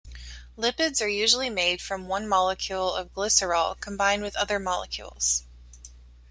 Lipids are usually made from one molecule of glycerol combined with other molecules.